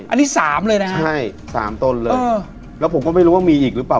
อันนี้สามเลยนะฮะใช่สามต้นเลยเออแล้วผมก็ไม่รู้ว่ามีอีกหรือเปล่า